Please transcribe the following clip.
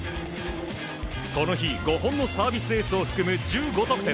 この日、５本のサービスエースを含む１５得点。